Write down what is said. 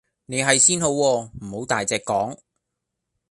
你係先好喎,唔好大隻講